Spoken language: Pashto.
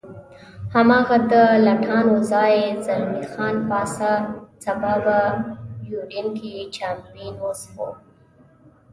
هماغه د لټانو ځای، زلمی خان پاڅه، سبا به په یوډین کې چامپېن وڅښو.